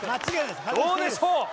どうでしょう？